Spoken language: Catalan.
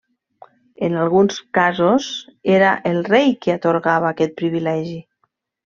En alguns casos era el rei qui atorgava aquest privilegi.